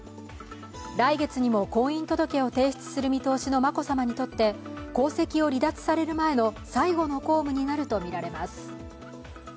来月にも婚姻届を提出する見通しの眞子さまにとって皇籍を離脱される前の最後の公務になるとみられます。